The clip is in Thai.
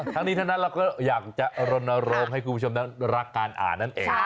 ทั้งนี้ทั้งนั้นเราก็อยากจะรณรงค์ให้คุณผู้ชมนั้นรักการอ่านนั่นเอง